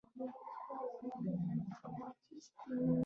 د حیواناتو لومړني وحشي ډولونه په ټوله ایرویشیا سیمه کې و.